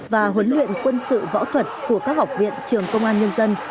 và huấn luyện quân sự võ thuật của các học viện trường công an nhân dân